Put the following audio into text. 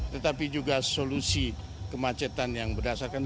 tetapi juga solusi kemacetan yang berdasarkan